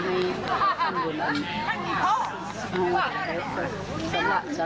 มีผู้ชายข้างศพแรกก็ยังเหว่าตาย